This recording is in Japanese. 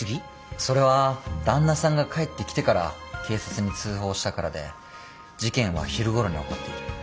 それは旦那さんが帰ってきてから警察に通報したからで事件は昼ごろに起こっている。